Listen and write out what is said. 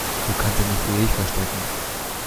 Du kannst dich nicht ewig verstecken!